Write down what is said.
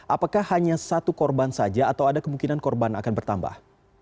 apakah hanya satu korban saja atau ada kemungkinan korban akan bertambah